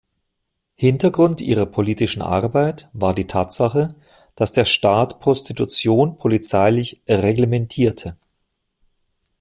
Hintergrund ihrer politischen Arbeit war die Tatsache, dass der Staat Prostitution polizeilich „reglementierte“.